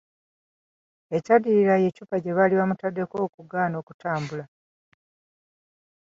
Ekyaddirira y’eccupa gye baali bamutaddeko okugaana okutambula.